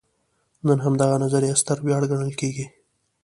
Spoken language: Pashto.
نن همدغه نظریه ستره ویاړ ګڼل کېږي.